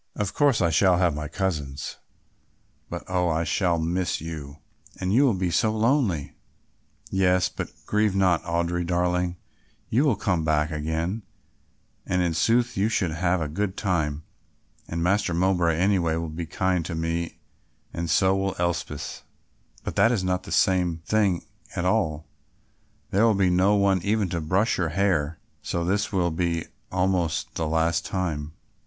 Of course I shall have my cousins, but, oh! I shall miss you; and you will be so lonely." "Yes, but grieve not, Audry, darling, you will come back again, and in sooth you should have a good time and Master Mowbray anyway will be kind to me and so will Elspeth." "But that is not the same thing at all; there will be no one even to brush your hair, so this will be almost the last time."